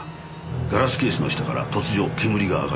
ガラスケースの下から突如煙が上がりました。